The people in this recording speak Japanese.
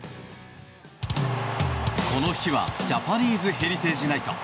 この日はジャパニーズ・ヘリテージ・ナイト。